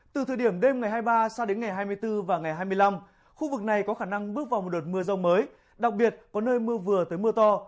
từ thời điểm đêm ngày hai mươi ba sang đến ngày hai mươi bốn và ngày hai mươi năm khu vực này có khả năng bước vào một đợt mưa rông mới đặc biệt có nơi mưa vừa tới mưa to